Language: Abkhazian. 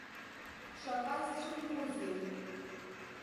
Шаҟа исцәымӷузеи!